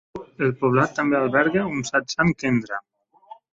El poblat també alberga un "Satsang Kendra".